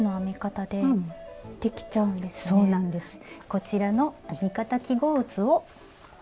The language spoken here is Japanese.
こちらの編み方記号図を。